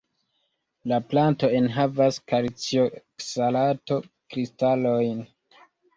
La planto enhavas kalcioksalato-kristalojn.